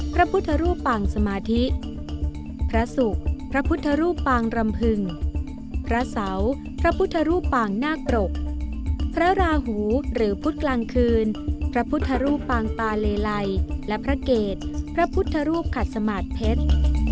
พระพุทธรูปางปาเลไลและพระเกรดพระพุทธรูปขัดสมาดเพชร